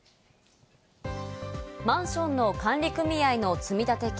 マンションの管理組合の積立金